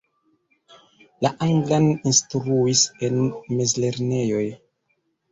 La anglan instruis en mezlernejoj.